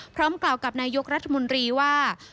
พร้อมกล่าวกับนายกรัฐมนตรีว่า